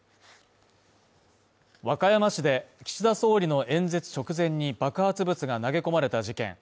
和歌山市で岸田総理の演説直前に爆発物が投げ込まれた事件。